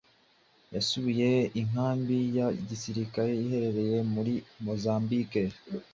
yasuye inkambi ya gisirikare iherereye muri Mozambique,